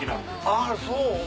あぁそう！